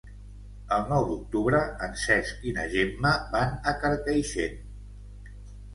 El nou d'octubre en Cesc i na Gemma van a Carcaixent.